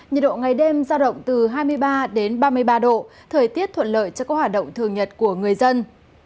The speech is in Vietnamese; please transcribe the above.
nhiệt độ ngày đêm giao động từ hai mươi ba đến ba mươi ba độ thời tiết thuận lợi cho các hoạt động thường nhật của người dân